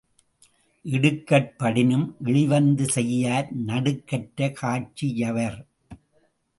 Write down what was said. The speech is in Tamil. இடுக்கட் படினும் இழிவந்த செய்யார் நடுக்கற்ற காட்சி யவர்.